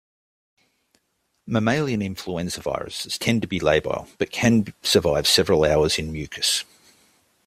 Mammalian influenza viruses tend to be labile, but can survive several hours in mucus.